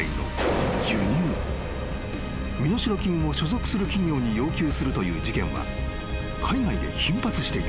［身代金を所属する企業に要求するという事件は海外で頻発していた］